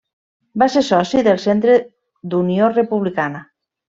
Va ser soci del Centre d'Unió Republicana.